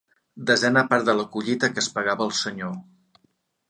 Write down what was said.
Desena part de la collita que es pagava al senyor.